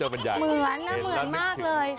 เหมือนมากเลย